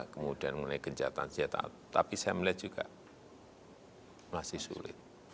kemudian mengenai gencatan senjata tapi saya melihat juga masih sulit